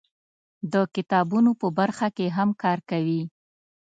د کتابونو په برخه کې هم کار کوي.